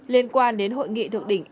liên quan đến hội nghị thượng đỉnh